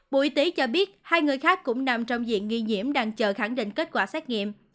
bộ y tế cho biết hai người khác cũng nằm trong diện nghi nhiễm đang chờ khẳng định kết quả xét nghiệm